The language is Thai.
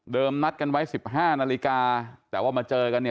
เดิมนัดกันไว้สิบห้านาลีกาแต่ว่ามาเจอกันเนี่ย